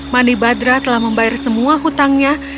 manibhadra telah membayar semua hutangnya